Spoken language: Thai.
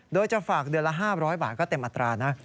โดยจะฝากเดือนละ๕๐๐บาทก็เต็มอัตรานะ